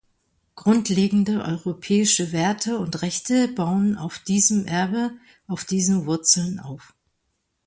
Grundlegende europäische Werte und Rechte bauen auf diesem Erbe auf diesen Wurzeln auf.